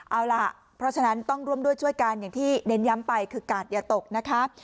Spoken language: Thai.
เอาล่ะเพราะฉะนั้นต้องร่วมด้วยช่วยกันอย่างที่เน้นย้ำไปคือกาดอย่าตกนะคะ